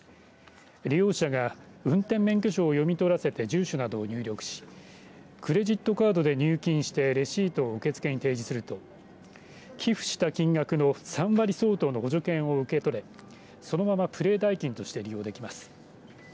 利用者が運転免許証を読み取らせて住所などを入力しクレジットカードで入金してレシートを受付に提示すると寄付した金額の３割相当の補助券を受け取れそのままプレー代金として利用できます。